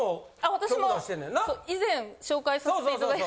私も以前紹介させていただいた。